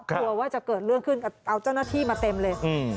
กลัวว่าจะเกิดเรื่องขึ้นเอาเจ้าหน้าที่มาเต็มเลย